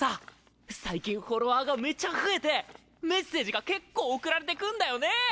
最近フォロワーがめちゃ増えてメッセージが結構送られてくんだよね